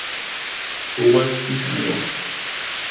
Kowalski se negó.